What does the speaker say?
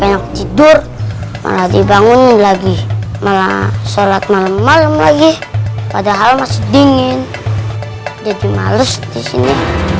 lagi enak enak tidur malah dibangun lagi malah sholat malam malam lagi padahal masih dingin jadi males disini